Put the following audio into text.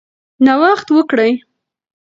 نوښت وکړئ.